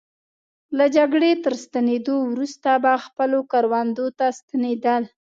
له جګړې تر ستنېدو وروسته به خپلو کروندو ته ستنېدل.